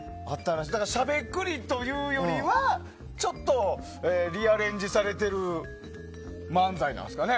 しゃべくりというよりはリアレンジされてる漫才なんですかね。